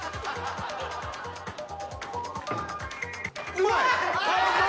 うまい！